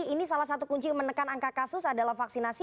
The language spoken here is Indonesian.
ini salah satu kunci yang menekan angka kasus adalah vaksinasi